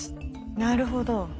なるほど。